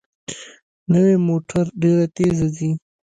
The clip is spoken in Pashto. نوې موټر ډېره تېزه ځي